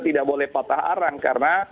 tidak boleh patah arang karena